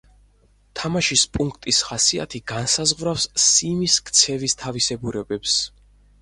თამაშის პუნქტის ხასიათი განსაზღვრავს სიმის ქცევის თავისებურებებს.